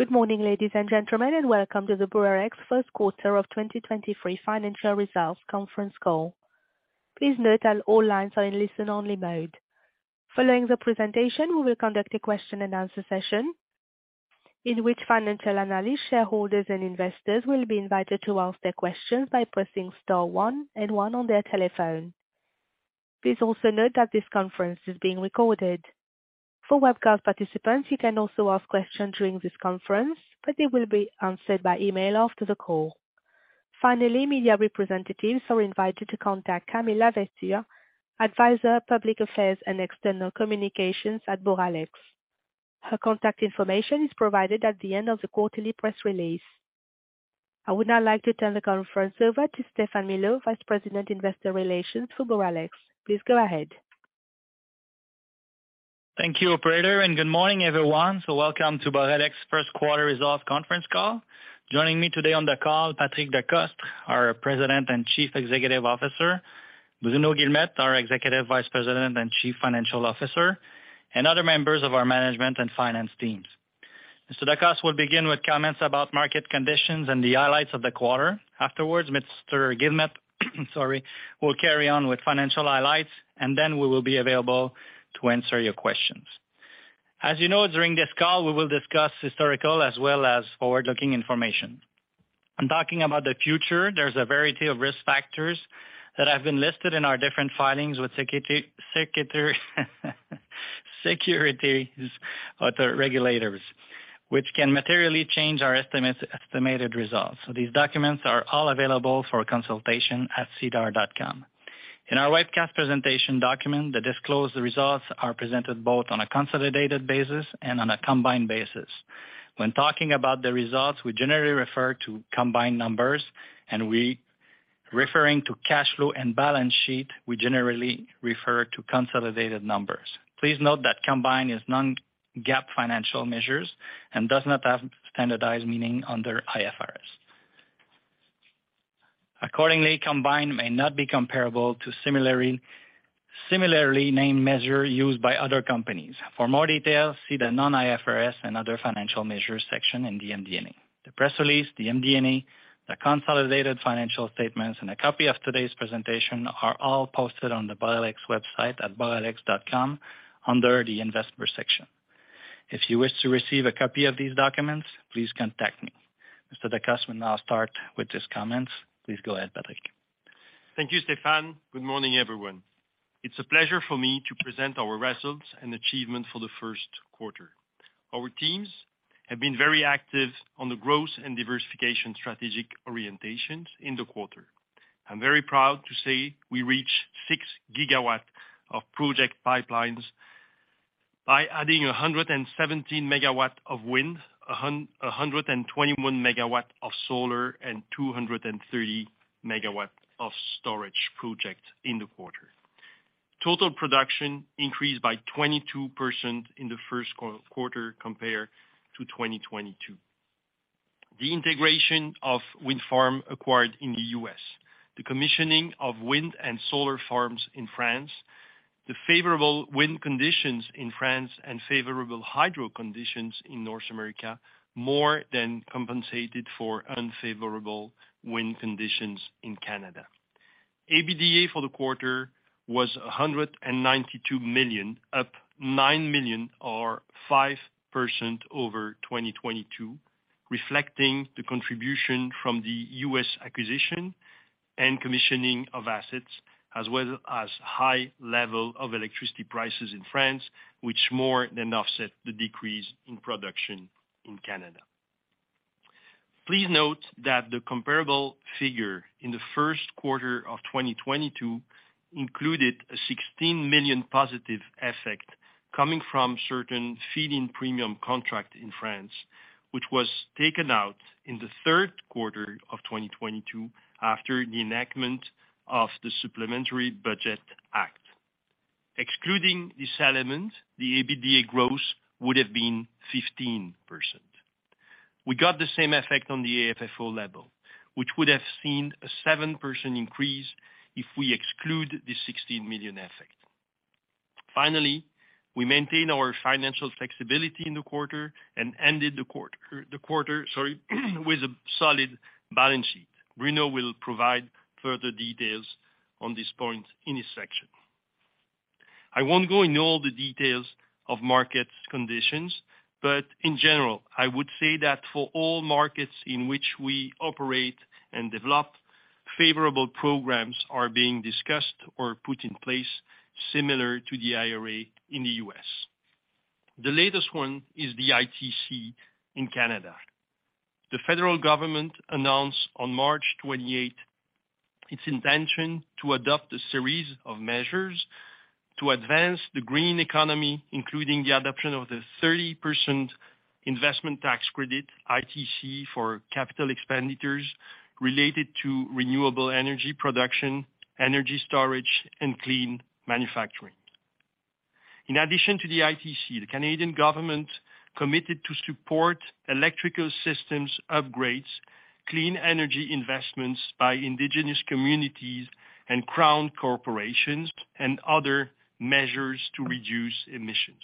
Good morning, ladies and gentlemen, and welcome to the Boralex first quarter of 2023 financial results conference call. Please note that all lines are in listen only mode. Following the presentation, we will conduct a question and answer session in which financial analysts, shareholders, and investors will be invited to ask their questions by pressing star one and one on their telephone. Please also note that this conference is being recorded. For webcast participants, you can also ask questions during this conference, but they will be answered by email after the call. Finally, media representatives are invited to contact Camille Laventure, Advisor of Public Affairs and External Communications at Boralex. Her contact information is provided at the end of the quarterly press release. I would now like to turn the conference over to Stéphane Millot, Vice President, Investor Relations for Boralex. Please go ahead. Thank you, operator, and good morning, everyone. Welcome to Boralex first quarter results conference call. Joining me today on the call, Patrick Decostre, our President and Chief Executive Officer, Bruno Guilmette, our Executive Vice President and Chief Financial Officer, and other members of our management and finance teams. Mr. Decostre will begin with comments about market conditions and the highlights of the quarter. Afterwards, Mr. Guilmette, sorry, will carry on with financial highlights, and then we will be available to answer your questions. As you know, during this call, we will discuss historical as well as forward-looking information. I'm talking about the future. There's a variety of risk factors that have been listed in our different filings with securities or the regulators, which can materially change our estimates, estimated results. These documents are all available for consultation at SEDAR.com. In our webcast presentation document, the disclosed results are presented both on a consolidated basis and on a combined basis. When talking about the results, we generally refer to combined numbers. Referring to cash flow and balance sheet, we generally refer to consolidated numbers. Please note that combined is non-GAAP financial measure and does not have standardized meaning under IFRS. Accordingly, combined may not be comparable to similarly named measure used by other companies. For more details, see the non-IFRS and other financial measures section in the MD&A. The press release, the MD&A, the consolidated financial statements, and a copy of today's presentation are all posted on the Boralex website at boralex.com under the investor section. If you wish to receive a copy of these documents, please contact me. Mr. Decostre will now start with his comments. Please go ahead, Patrick. Thank you, Stephane Millot. Good morning, everyone. It's a pleasure for me to present our results and achievements for the first quarter. Our teams have been very active on the growth and diversification strategic orientations in the quarter. I'm very proud to say we reached 6 GW of project pipelines by adding 117 MW of wind, 121 MW of solar, and 230 MW of storage project in the quarter. Total production increased by 22% in the first quarter compared to 2022. The integration of wind farm acquired in the U.S., the commissioning of wind and solar farms in France, the favorable wind conditions in France and favorable hydro conditions in North America more than compensated for unfavorable wind conditions in Canada. ABDA for the quarter was 192 million, up 9 million or 5% over 2022, reflecting the contribution from the U.S. acquisition and commissioning of assets as well as high level of electricity prices in France, which more than offset the decrease in production in Canada. Please note that the comparable figure in the first quarter of 2022 included a 16 million positive effect coming from certain feed-in premium contract in France, which was taken out in the third quarter of 2022 after the enactment of the Supplementary Budget Act. Excluding this element, the ABDA growth would have been 15%. We got the same effect on the AFFO level, which would have seen a 7% increase if we exclude the 16 million effect. We maintain our financial flexibility in the quarter and ended the quarter, sorry, with a solid balance sheet. Bruno will provide further details on this point in his section. I won't go into all the details of market conditions, in general, I would say that for all markets in which we operate and develop, favorable programs are being discussed or put in place similar to the IRA in the U.S. The latest one is the ITC in Canada. The federal government announced on March 28 its intention to adopt a series of measures to advance the green economy, including the adoption of the 30% Investment Tax Credit, ITC, for capital expenditures related to renewable energy production, energy storage, and clean manufacturing. In addition to the ITC, the Canadian government committed to support electrical systems upgrades, clean energy investments by Indigenous communities and crown corporations, and other measures to reduce emissions.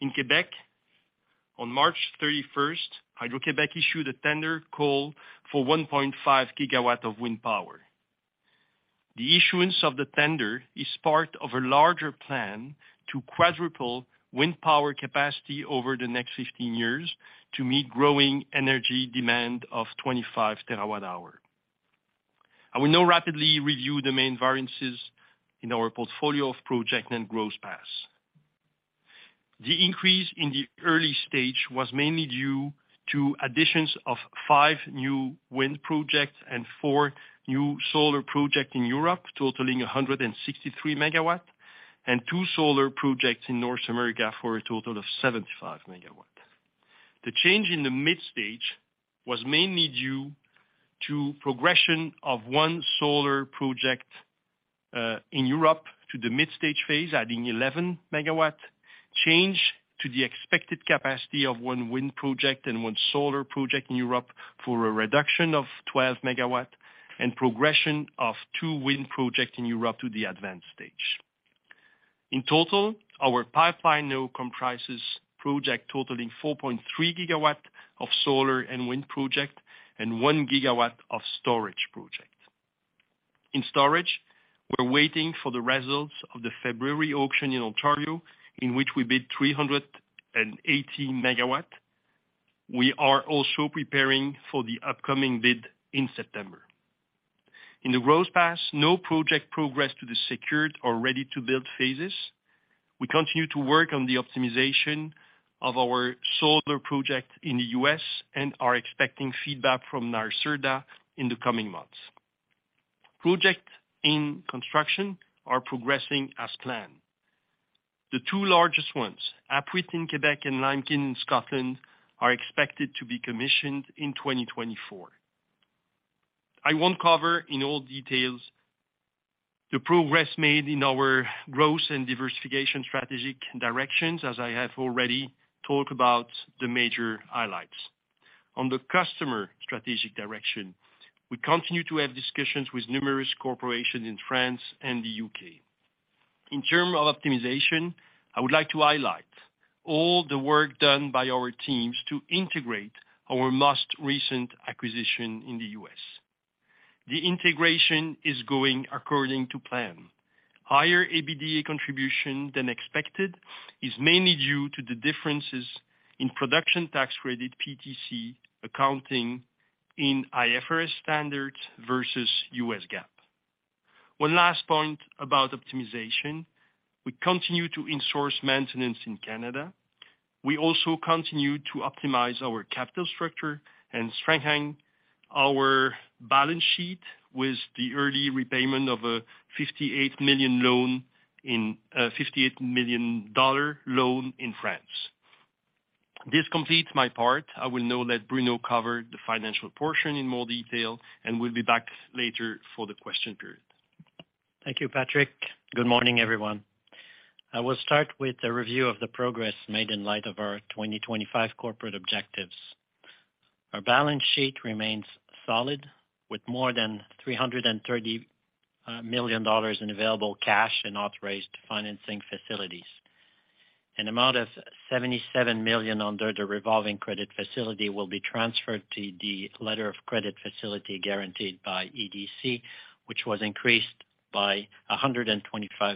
In Quebec, on March 31st, Hydro-Québec issued a tender call for 1.5 GW of wind power. The issuance of the tender is part of a larger plan to quadruple wind power capacity over the next 15 years to meet growing energy demand of 25 TWh. I will now rapidly review the main variances in our portfolio of project and growth paths. The increase in the early stage was mainly due to additions of five new wind projects and four new solar projects in Europe, totaling 163 MW, and two solar projects in North America for a total of 75 MW. The change in the mid stage was mainly due to progression of one solar project in Europe to the mid-stage phase, adding 11 MW, change to the expected capacity of one wind project and one solar project in Europe for a reduction of 12 MW, and progression of two wind projects in Europe to the advanced stage. In total, our pipeline now comprises projects totaling 4.3 GW of solar and wind project and 1 GW of storage project. In storage, we're waiting for the results of the February auction in Ontario, in which we bid 380 MW. We are also preparing for the upcoming bid in September. In the growth path, no project progressed to the secured or ready-to-build phases. We continue to work on the optimization of our solar project in the U.S. and are expecting feedback from NYSERDA in the coming months. Projects in construction are progressing as planned. The two largest ones, Apuiat in Quebec and Limekiln in Scotland, are expected to be commissioned in 2024. I won't cover in all details the progress made in our growth and diversification strategic directions, as I have already talked about the major highlights. On the customer strategic direction, we continue to have discussions with numerous corporations in France and the U.K. In terms of optimization, I would like to highlight all the work done by our teams to integrate our most recent acquisition in the U.S. The integration is going according to plan. Higher EBITDA contribution than expected is mainly due to the differences in production tax credit, PTC, accounting in IFRS standards versus US GAAP. One last point about optimization, we continue to in-source maintenance in Canada. We also continue to optimize our capital structure and strengthen our balance sheet with the early repayment of a $58 million loan in France. This completes my part. I will now let Bruno cover the financial portion in more detail, and we'll be back later for the question period. Thank you, Patrick. Good morning, everyone. I will start with a review of the progress made in light of our 2025 corporate objectives. Our balance sheet remains solid, with more than $330 million in available cash and authorized financing facilities. An amount of $77 million under the revolving credit facility will be transferred to the letter of credit facility guaranteed by EDC, which was increased by $125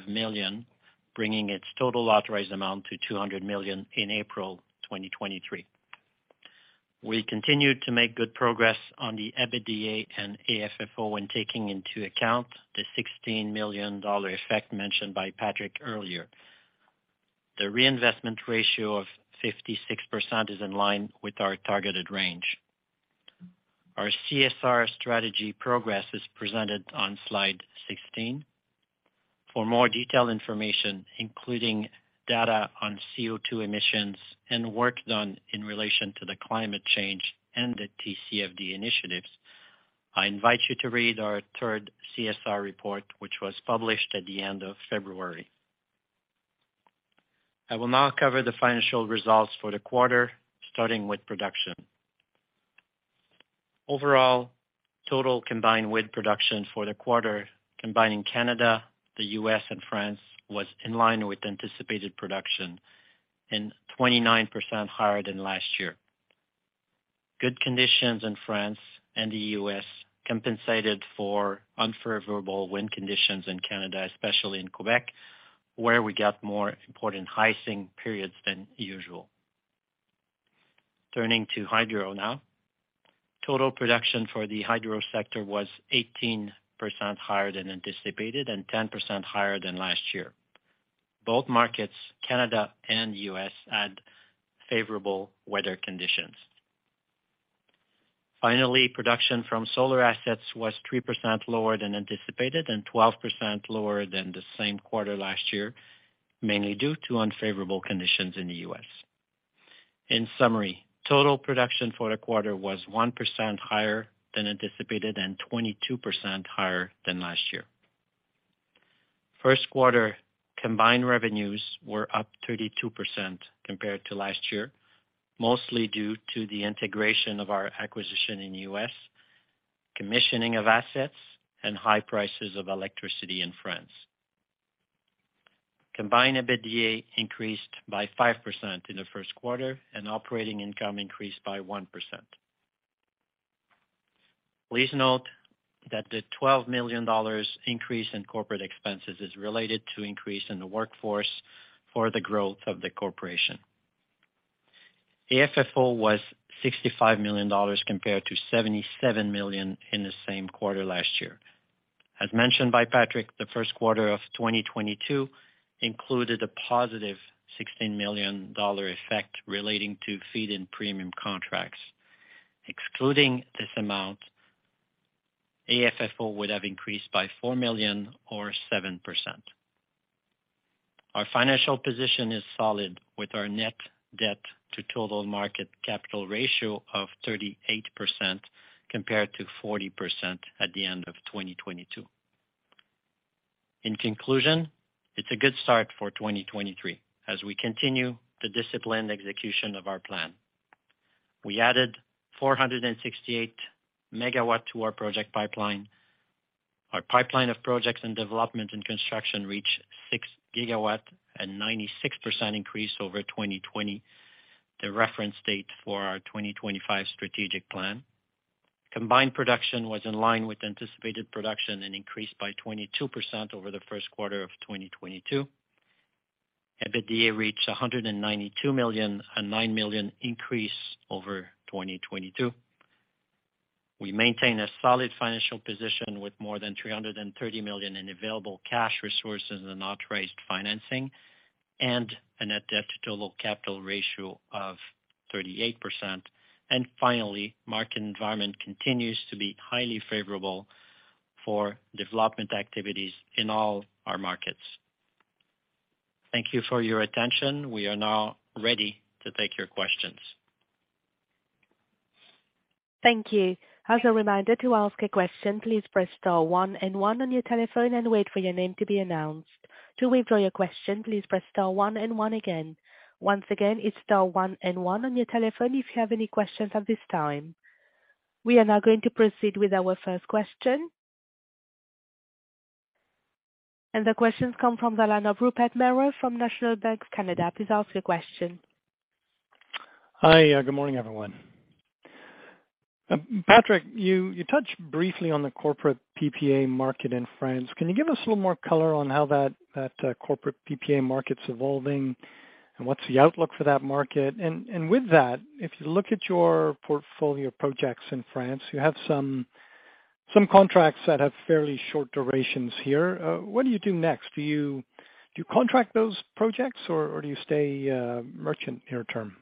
million, bringing its total authorized amount to $200 million in April 2023. We continued to make good progress on the EBITDA and AFFO when taking into account the $16 million effect mentioned by Patrick earlier. The reinvestment ratio of 56% is in line with our targeted range. Our CSR strategy progress is presented on slide 16. For more detailed information, including data on CO₂ emissions and work done in relation to the climate change and the TCFD initiatives, I invite you to read our third CSR report, which was published at the end of February. I will now cover the financial results for the quarter, starting with production. Overall, total combined wind production for the quarter, combining Canada, the U.S., and France, was in line with anticipated production and 29% higher than last year. Good conditions in France and the U.S. compensated for unfavorable wind conditions in Canada, especially in Quebec, where we got more important icing periods than usual. Turning to hydro now. Total production for the hydro sector was 18% higher than anticipated and 10% higher than last year. Both markets, Canada and U.S., had favorable weather conditions. Production from solar assets was 3% lower than anticipated and 12% lower than the same quarter last year, mainly due to unfavorable conditions in the U.S. Total production for the quarter was 1% higher than anticipated and 22% higher than last year. First quarter combined revenues were up 32% compared to last year, mostly due to the integration of our acquisition in the U.S. Commissioning of assets and high prices of electricity in France. Combined EBITDA increased by 5% in the first quarter, and operating income increased by 1%. Please note that the $12 million increase in corporate expenses is related to increase in the workforce for the growth of the corporation. AFFO was $65 million compared to $77 million in the same quarter last year. As mentioned by Patrick, the first quarter of 2022 included a positive 16 million dollar effect relating to feed-in premium contracts. Excluding this amount, AFFO would have increased by 4 million or 7%. Our financial position is solid, with our net debt to total market capital ratio of 38% compared to 40% at the end of 2022. In conclusion, it's a good start for 2023 as we continue the disciplined execution of our plan. We added 468 megawatt to our project pipeline. Our pipeline of projects and development and construction reached 6 gigawatt, a 96% increase over 2020, the reference date for our 2025 strategic plan. Combined production was in line with anticipated production and increased by 22% over the first quarter of 2022. EBITDA reached 192 million, a 9 million increase over 2022. We maintain a solid financial position with more than 330 million in available cash resources and not raised financing, and a net debt to total capital ratio of 38%. Finally, market environment continues to be highly favorable for development activities in all our markets. Thank you for your attention. We are now ready to take your questions. Thank you. As a reminder, to ask a question, please press star one and one on your telephone and wait for your name to be announced. To withdraw your question, please press star one and one again. Once again, it's star one and one on your telephone if you have any questions at this time. We are now going to proceed with our first question. The questions come from the line of Rupert Merer from National Bank Financial. Please ask your question. Hi. Good morning, everyone. Patrick, you touched briefly on the corporate PPA market in France. Can you give us a little more color on how that corporate PPA market's evolving, and what's the outlook for that market? With that, if you look at your portfolio of projects in France, you have some contracts that have fairly short durations here. What do you do next? Do you contract those projects or do you stay merchant near term?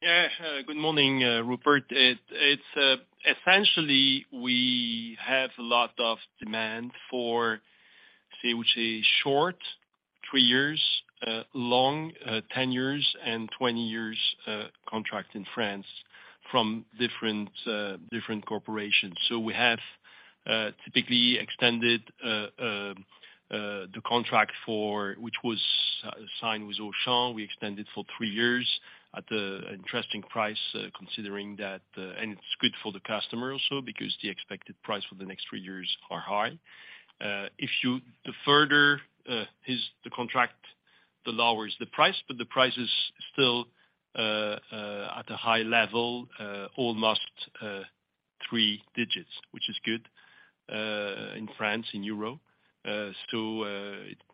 Yeah. Good morning, Rupert. It's essentially, we have a lot of demand for, say, which is short three years, long, 10 years and 20 years, contract in France from different corporations. We have typically extended the contract for which was signed with Auchan. We extended for three years at an interesting price, considering that, and it's good for the customer also because the expected price for the next three years are high. The further is the contract, the lower is the price, but the price is still at a high level, almost three digits, which is good in France, in EUR.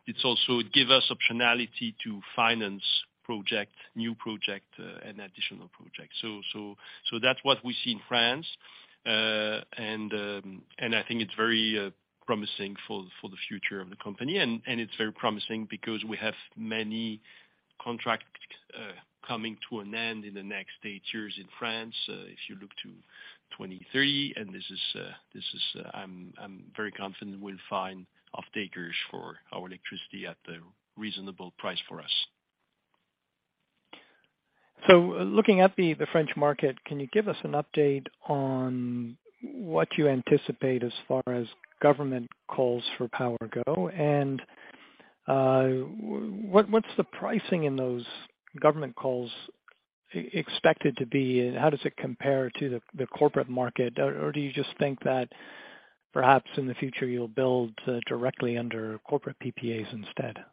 It's also give us optionality to finance project, new project, and additional projects. That's what we see in France. I think it's very promising for the future of the company. It's very promising because we have many contracts coming to an end in the next eight years in France, if you look to 2023. This is I'm very confident we'll find off-takers for our electricity at a reasonable price for us. Looking at the French market, can you give us an update on what you anticipate as far as government calls for power go? What's the pricing in those government calls expected to be, and how does it compare to the corporate market? Do you just think that perhaps in the future you'll build directly under corporate PPAs instead?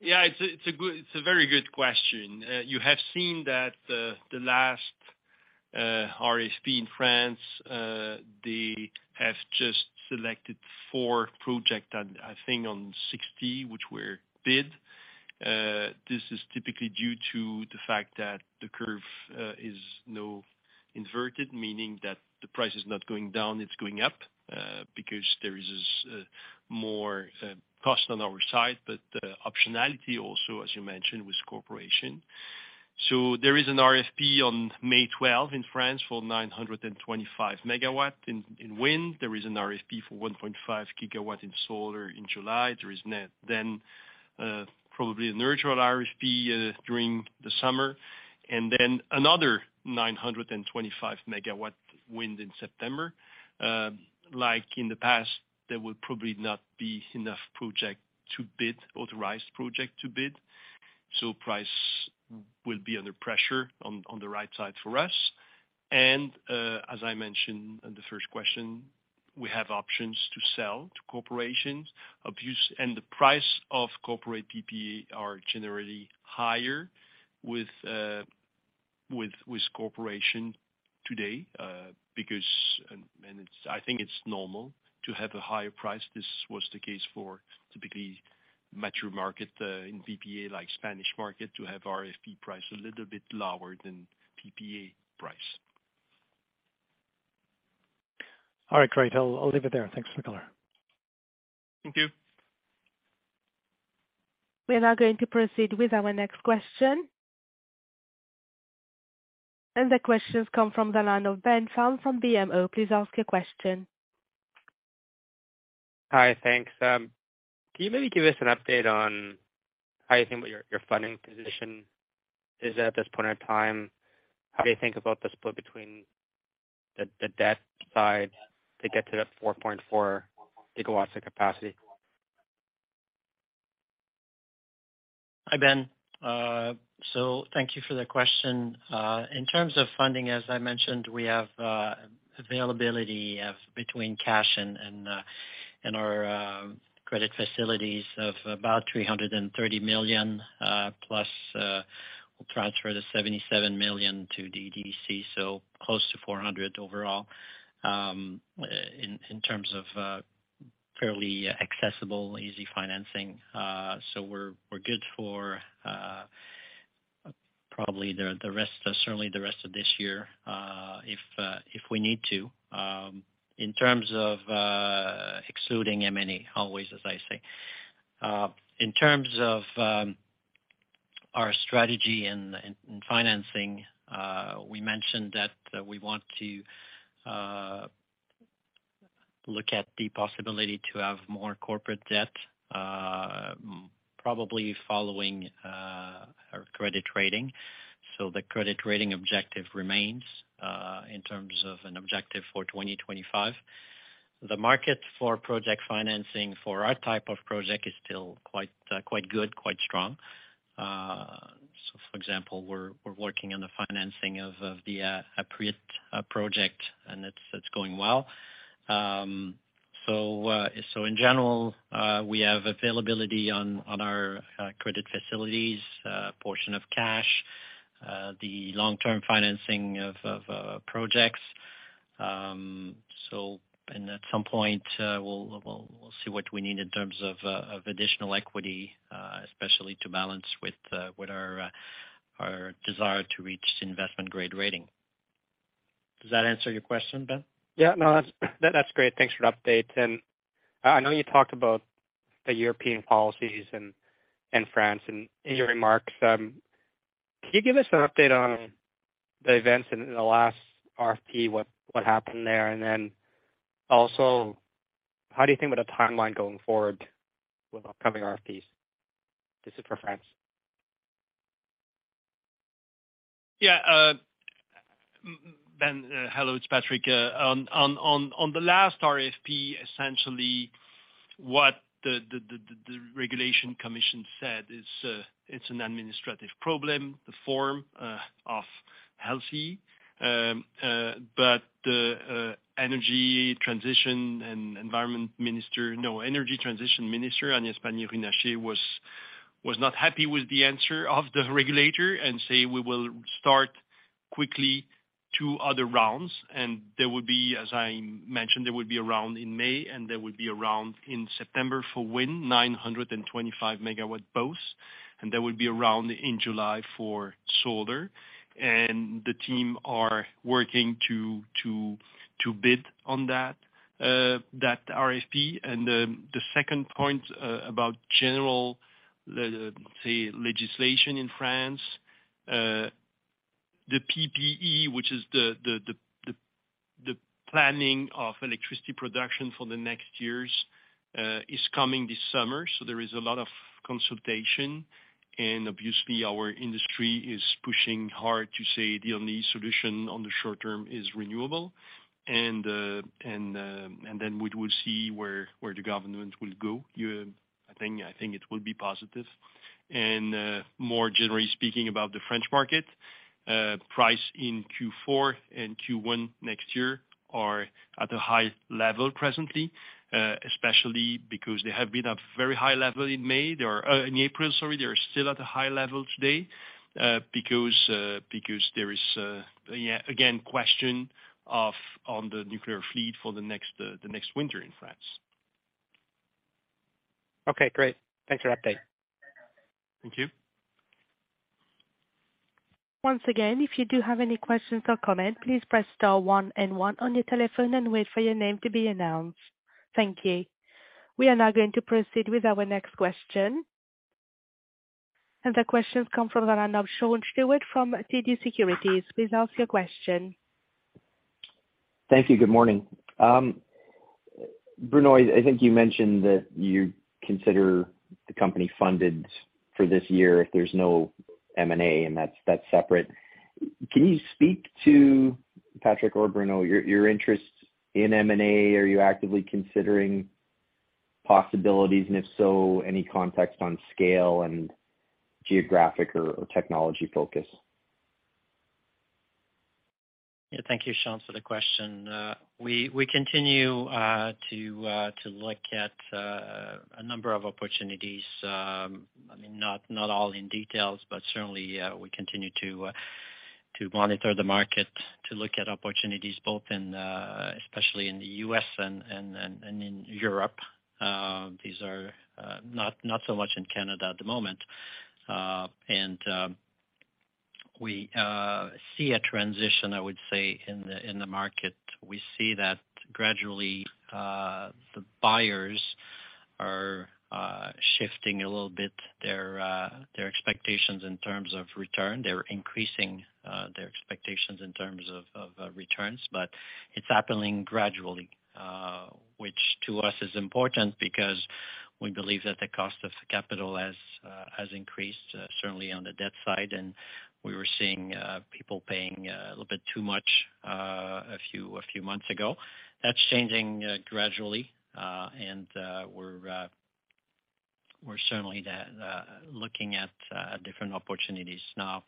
Yeah, it's a very good question. You have seen that the last RFP in France, they have just selected four project, I think on 60, which were bid. This is typically due to the fact that the curve is now inverted, meaning that the price is not going down, it's going up, because there is more cost on our side, but optionality also, as you mentioned, with corporation. There is an RFP on May 12 in France for 925 MW in wind. There is an RFP for 1.5 GW in solar in July. Then probably a neutral RFP during the summer, and then another 925 MW wind in September. Like in the past, there will probably not be enough project to bid, authorized project to bid. Price will be under pressure on the right side for us. As I mentioned on the first question, we have options to sell to corporations abuse, and the price of corporate PPA are generally higher with corporation today because, and it's, I think it's normal to have a higher price. This was the case for typically merchant market in PPA like Spanish market, to have RFP price a little bit lower than PPA price. All right, great. I'll leave it there. Thanks for the color. Thank you. We are now going to proceed with our next question. The questions come from the line of Ben Pham from BMO. Please ask your question. Hi. Thanks. Can you maybe give us an update on how you think about your funding position is at this point in time? How do you think about the split between the debt side to get to that 4.4 GW of capacity? Hi, Ben. Thank you for the question. In terms of funding, as I mentioned, we have availability of between cash and our credit facilities of about 330 million, plus we'll transfer the 77 million to EDC, so close to 400 overall, in terms of fairly accessible, easy financing. We're good for probably the rest, certainly the rest of this year, if we need to, in terms of excluding M&A always, as I say. In terms of our strategy and financing, we mentioned that we want to look at the possibility to have more corporate debt, probably following our credit rating. The credit rating objective remains in terms of an objective for 2025. The market for project financing for our type of project is still quite good, quite strong. For example, we're working on the financing of the Apuiat project, and it's going well. In general, we have availability on our credit facilities, portion of cash, the long-term financing of projects. At some point, we'll see what we need in terms of additional equity, especially to balance with our desire to reach investment grade rating. Does that answer your question, Ben? Yeah. No, that's great. Thanks for the update. I know you talked about the European policies in France in your remarks. Can you give us an update on the events in the last RFP, what happened there? Also, how do you think about the timeline going forward with upcoming RFPs? This is for France. Yeah. Ben, hello, it's Patrick. On the last RFP, essentially what the regulation commission said is, it's an administrative problem, the form of healthy. But the Minister for Energy Transition, Agnès Pannier-Runacher was not happy with the answer of the regulator and say, "We will start quickly two other rounds." There will be, as I mentioned, there will be a round in May, and there will be a round in September for wind, 925 MW both, and there will be a round in July for solar. The team are working to bid on that RFP. The second point about general legislation in France, the PPE, which is the planning of electricity production for the next years, is coming this summer. There is a lot of consultation, and obviously our industry is pushing hard to say, "The only solution on the short term is renewable." We will see where the government will go. I think it will be positive. More generally speaking about the French market, price in Q4 and Q1 next year are at a high level presently, especially because there have been a very high level in May or in April, sorry. They are still at a high level today, because there is again, question on the nuclear fleet for the next winter in France. Okay, great. Thanks for update. Thank you. Once again, if you do have any questions or comments, please press star one and one on your telephone and wait for your name to be announced. Thank you. We are now going to proceed with our next question. The questions come from the line of Sean Steuart from TD Securities. Please ask your question. Thank you. Good morning. Bruno, I think you mentioned that you consider the company funded for this year if there's no M&A, and that's separate. Can you speak to Patrick or Bruno, your interest in M&A? Are you actively considering possibilities, and if so, any context on scale and geographic or technology focus? Yeah. Thank you, Sean, for the question. We continue to look at a number of opportunities. I mean, not all in details, but certainly, we continue to monitor the market, to look at opportunities both in especially in the U.S. and in Europe. These are not so much in Canada at the moment. We see a transition, I would say, in the market. We see that gradually the buyers are shifting a little bit their expectations in terms of return. They're increasing their expectations in terms of returns. It's happening gradually, which to us is important because we believe that the cost of capital has increased, certainly on the debt side, and we were seeing people paying a little bit too much a few months ago. That's changing gradually. We're certainly looking at different opportunities. Now,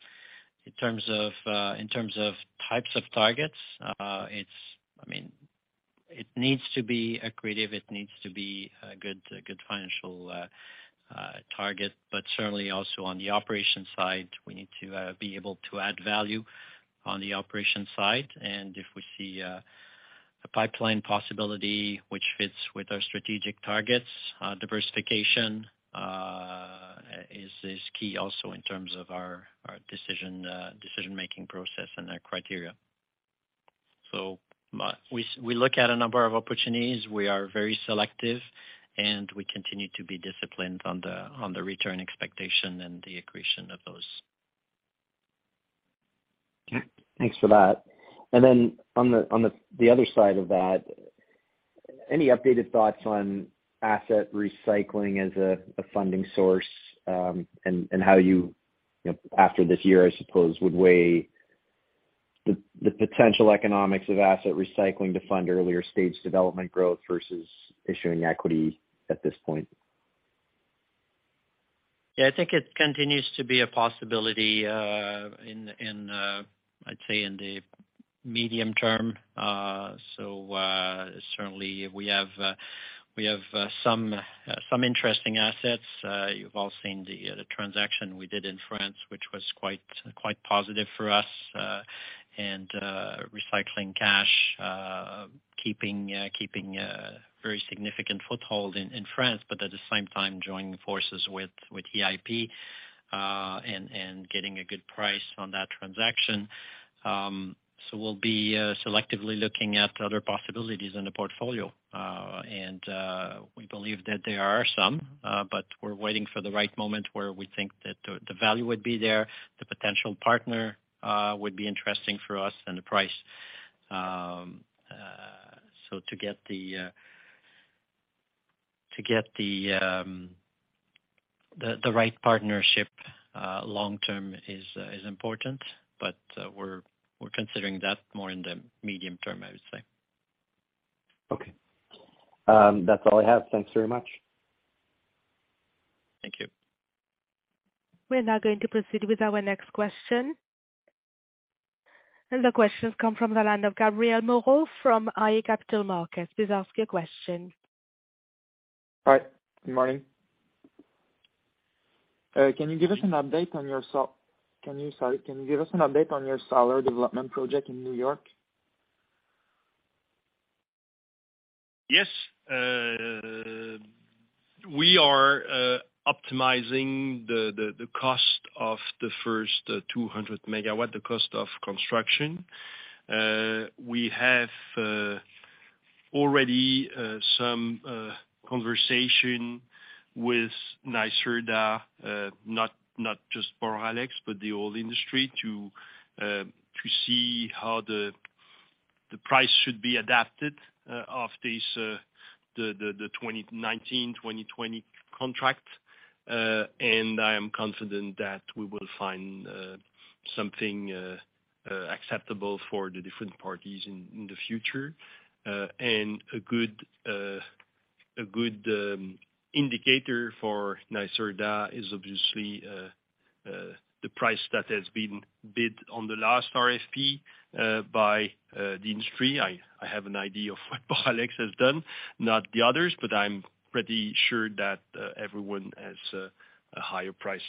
in terms of in terms of types of targets, I mean, it needs to be accretive, it needs to be a good financial target. Certainly also on the operations side, we need to be able to add value on the operations side. If we see a pipeline possibility which fits with our strategic targets, diversification is key also in terms of our decision-making process and our criteria. We look at a number of opportunities. We are very selective, and we continue to be disciplined on the return expectation and the accretion of those. Okay. Thanks for that. Then on the other side of that, any updated thoughts on asset recycling as a funding source, and how you know, after this year, I suppose, would weigh the potential economics of asset recycling to fund earlier stage development growth versus issuing equity at this point? Yeah. I think it continues to be a possibility, in, I'd say, in the medium term. Certainly we have some interesting assets. You've all seen the transaction we did in France, which was quite positive for us, and recycling cash, keeping a very significant foothold in France, but at the same time joining forces with EIP, and getting a good price on that transaction. We'll be selectively looking at other possibilities in the portfolio. We believe that there are some, but we're waiting for the right moment where we think that the value would be there, the potential partner would be interesting for us and the price. To get the right partnership long term is important, but we're considering that more in the medium term, I would say. Okay. That's all I have. Thanks very much. Thank you. We're now going to proceed with our next question. The question's come from the line of Gabrielle Moreau from iA Capital Markets. Please ask your question. Hi, good morning. Can you give us an update on your solar development project in New York? Yes. We are optimizing the cost of the first 200 MW the cost of construction. We have already some conversation with NYSERDA, not just Boralex, but the old industry, to see how the price should be adapted of this, the 2019-2020 contract. I am confident that we will find something acceptable for the different parties in the future. A good indicator for NYSERDA is obviously the price that has been bid on the last RFP by the industry. I have an idea of what Boralex has done, not the others, but I'm pretty sure that everyone has a higher price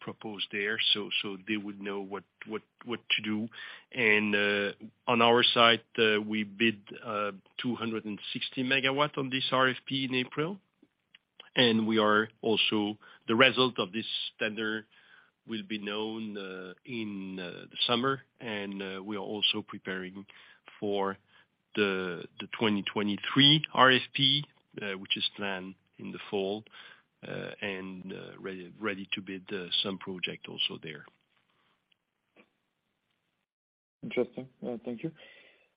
proposed there. They would know what to do. On our side, we bid 260 MW on this RFP in April. The result of this tender will be known in the summer. We are also preparing for the 2023 RFP, which is planned in the fall, and ready to bid some project also there. Interesting. Thank you.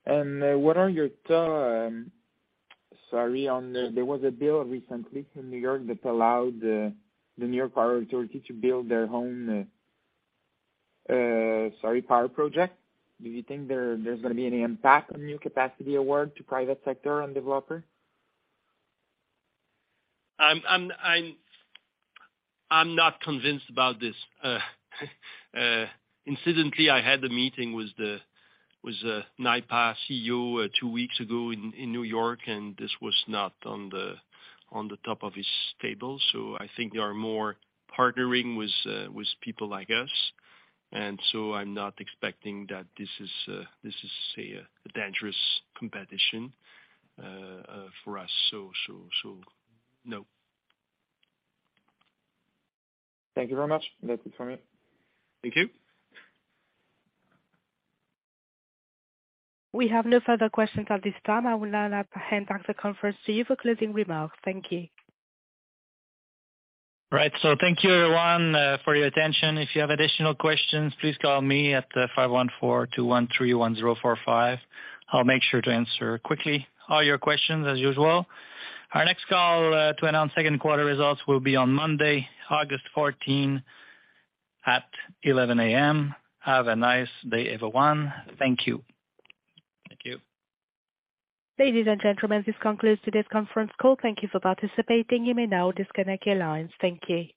What are your thought, sorry, on there was a bill recently in New York that allowed the New York Power Authority to build their own power project? Do you think there's gonna be any impact on new capacity award to private sector and developer? I'm not convinced about this. Incidentally, I had a meeting with the NYPA CEO two weeks ago in New York, and this was not on the top of his table. I think they are more partnering with people like us. I'm not expecting that this is, say, a dangerous competition for us. No. Thank you very much. That's it from me. Thank you. We have no further questions at this time. I will now hand back the conference to you for closing remarks. Thank you. Right. Thank you everyone for your attention. If you have additional questions, please call me at 514-213-1045. I'll make sure to answer quickly all your questions as usual. Our next call to announce second quarter results will be on Monday, August 14 at 11:00 A.M. Have a nice day, everyone. Thank you. Thank you. Ladies and gentlemen, this concludes today's conference call. Thank you for participating. You may now disconnect your lines. Thank you.